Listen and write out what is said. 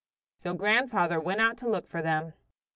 So grandfather went out to look for them.